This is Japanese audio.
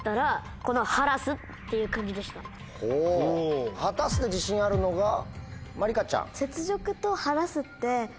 ほぉ「果たす」で自信あるのがまりかちゃん。